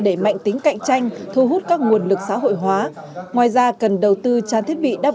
để mạnh tính cạnh tranh thu hút các nguồn lực xã hội hóa ngoài ra cần đầu tư trang thiết bị đáp